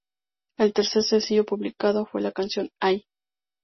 El tercer sencillo publicado fue la canción "Ay!